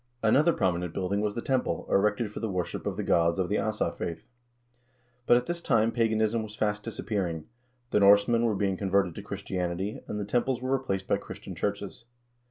Another prominent building was the temple, erected for the worship of the gods of the Asa faith. But at this time paganism was fast disappearing ; the Norsemen were being converted to Christianity, and the temples were replaced by Chris tian churches.